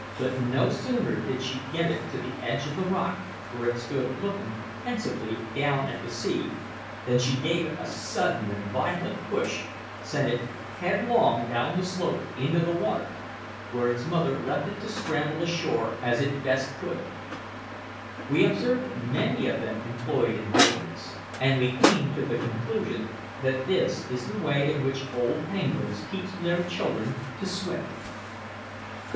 But no sooner did she get it to the edge of the rock, where it stood looking pensively down at the sea, than she gave it a sudden and violent push, sending it headlong down the slope into the water, where its mother left it to scramble ashore as it best could. We observed many of them employed in doing this, and we came to the conclusion that this is the way in which old penguins teach their children to swim.